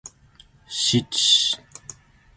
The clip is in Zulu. Inkonzo yomngcwabo iyoqala ngehora leshumi ekuseni.